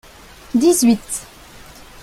dix-huit.